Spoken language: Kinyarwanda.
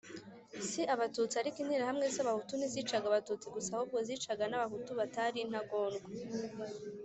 si Abatutsi ariko Interahamwe z Abahutu ntizicaga Abatutsi gusa ahubwo zicaga n’Abahutu batari intagondwa